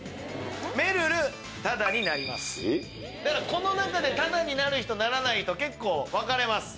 この中でタダになる人ならない人分かれます。